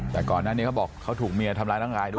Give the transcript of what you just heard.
แต่ก่อนหน้านี้เขาบอกเขาถูกเมียทำร้ายร่างกายด้วย